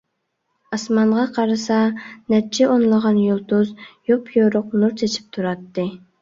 ئاسمانغا قارىسا، نەچچە ئونلىغان يۇلتۇز يوپيورۇق نۇر چېچىپ تۇراتتى.